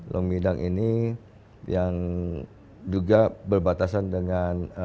long midang ini yang juga berbatasan dengan